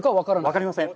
分かりません。